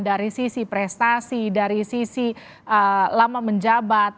dari sisi prestasi dari sisi lama menjabat